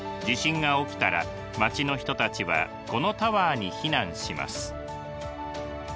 地震が起きたら町の人たちはこのタワーに避難します。